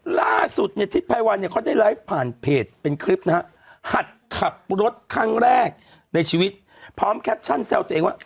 ล่าสุดเนี่ยทิพภัยวันเนี่ยเขาได้ไลฟ์ผ่านเพจเป็นคลิปนะฮะหัดขับรถครั้งแรกในชีวิตพร้อมแคปชั่นแซวตัวเองว่า